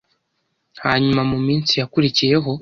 hanyuma mu minsi yakurikiyeho,